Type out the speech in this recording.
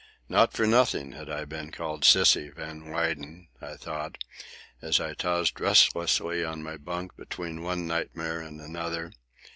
Not for nothing had I been called "Sissy" Van Weyden, I thought, as I tossed restlessly on my bunk between one nightmare and another.